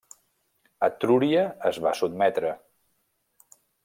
Etrúria es va sotmetre.